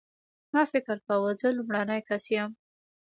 ما فکر کاوه زه لومړنی کس یم.